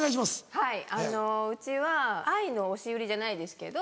はいうちは愛の押し売りじゃないですけど。